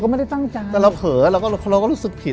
ไม่ได้ตั้งใจแต่เราเผลอเราก็เราก็รู้สึกผิด